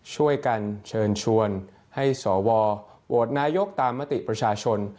ช่วยกันเชิญชวนให้สวโหวตนายกตามมติประชาชน